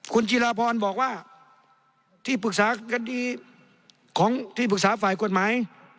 คุณจิราพรบอกว่าที่ปรึกษากันดีของที่ปรึกษาฝ่ายกฎหมาย